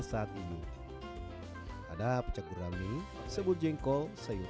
saat ini ada pecah gurami sebut jengkol sayur